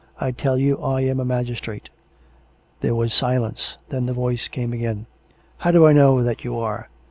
I tell you I am a magistrate !" There was silence. Then the voice came again. " How do I know that you are